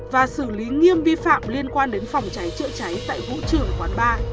và xử lý nghiêm vi phạm liên quan đến phòng cháy trợ cháy tại vũ trường quán ba